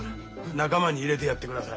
仲間に入れてやってください。